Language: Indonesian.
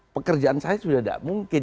pekerjaan saya sudah tidak mungkin